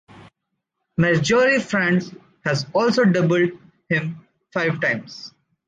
Marjorie Frantz has also doubled him five times.